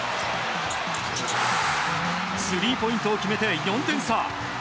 スリーポイントを決めて４点差。